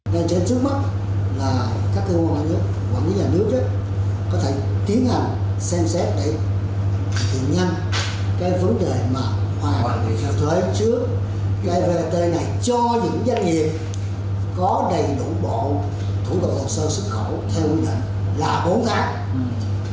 doanh nghiệp có thể gửi đến tên cho những doanh nghiệp có đầy đủ bộ thuộc về thuật sơ xuất khẩu theo quy định là bốn tháng